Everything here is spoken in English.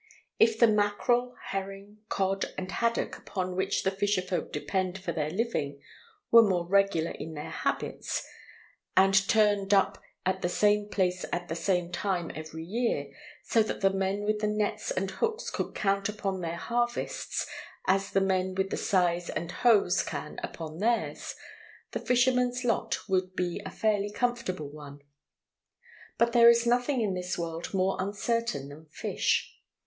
If the mackerel, herring, cod, and haddock upon which the fisher folk depend for their living, were more regular in their habits, ami turned up at the same place at the same time every year, so that the men with the nets and hooks could count upon their harvests as the men with the scythes and hoes can upon theirs, the fisherman's lot would be a fairly comfortable one. But there is nothing in this world more uncertain than fish.